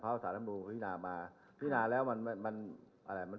เขาสาธารณธรรมดูพี่นามาพี่นาแล้วมันมันมันอะไรมัน